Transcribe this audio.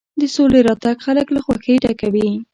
د سولې راتګ خلک له خوښۍ ډکوي.